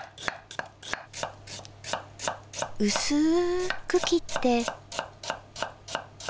うすく切って。